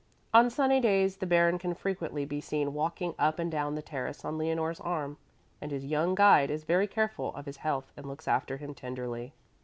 On sunny days the Baron can frequently be seen walking up and down the terrace on Leonore's arm, and his young guide is very careful of his health and looks after him tenderly.